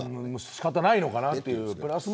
仕方ないのかなとプラス